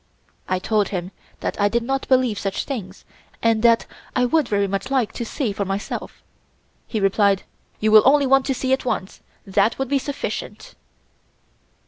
I told him that I did not believe such things and that I would very much like to see for myself. He replied: "You will only want to see it once; that will be sufficient."